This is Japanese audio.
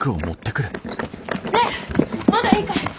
ねえまだいいかい？